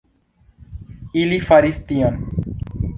Ili faris tion!